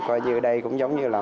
ở đây cũng giống như là